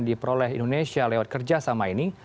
diperoleh indonesia lewat kerjasama ini